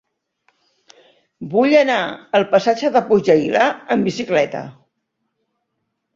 Vull anar al passatge del Puig Aguilar amb bicicleta.